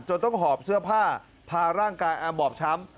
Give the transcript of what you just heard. ต้องหอบเสื้อผ้าพาร่างกายอามบอบช้ำ